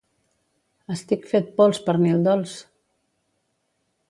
Estic fet pols, pernil dolç!